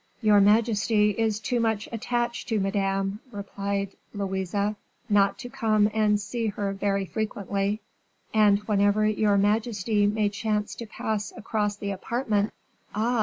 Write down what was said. "Your majesty is too much attached to Madame," replied Louise, "not to come and see her very frequently; and whenever your majesty may chance to pass across the apartments " "Ah!"